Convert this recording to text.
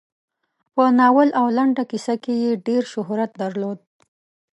په ناول او لنډه کیسه کې یې ډېر شهرت درلود.